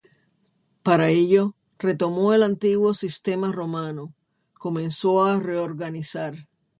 Para ello, retomó el antiguo sistema romano, comenzó a reorganizar.